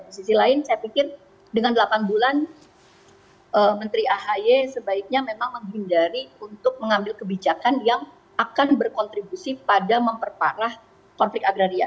di sisi lain saya pikir dengan delapan bulan menteri ahy sebaiknya memang menghindari untuk mengambil kebijakan yang akan berkontribusi pada memperparah konflik agraria